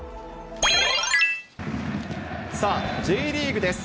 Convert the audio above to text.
さあ、Ｊリーグです。